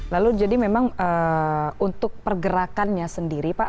lalu jadi memang untuk pergerakannya sendiri pak